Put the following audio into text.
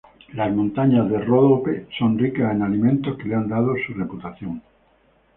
Las montañas Ródope son ricas en alimentos que le han dado su reputación.